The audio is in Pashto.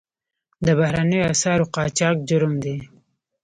د بهرنیو اسعارو قاچاق جرم دی